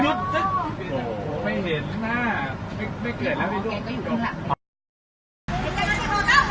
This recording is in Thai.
เมื่อเมื่อเมื่อ